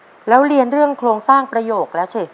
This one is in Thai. แต่งประโยคแล้วเรียนเรื่องโครงสร้างประโยคแล้วใช่ไหม